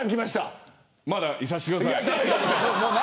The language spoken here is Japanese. まだ、いさせてください。